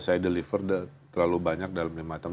saya deliver terlalu banyak dalam lima tahun